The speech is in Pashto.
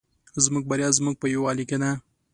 زموږ بریا زموږ په یوالي کې ده